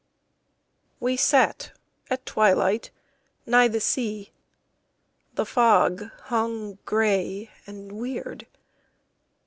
We sat at twilight nigh the sea, The fog hung gray and weird.